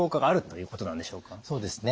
そうですね。